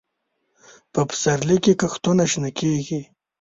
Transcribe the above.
په پسرلي کې کښتونه شنه کېږي.